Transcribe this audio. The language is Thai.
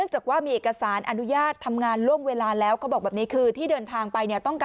ให้อายการผลัดฟ้องไปก่อน